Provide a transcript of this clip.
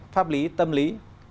pháp lý tâm lý